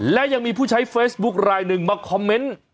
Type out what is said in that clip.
และยังมีผู้ใช้เฟซบุ๊คลายหนึ่งมาคอมเมนต์